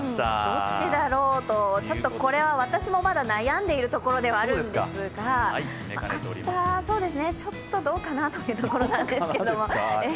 どっちだろうと、ちょっとこれは私もまだ悩んでいるところではあるんですが、ちょっとどうかなというところですが。